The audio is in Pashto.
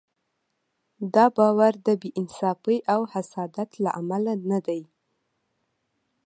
دا باور د بې انصافۍ او حسادت له امله نه دی.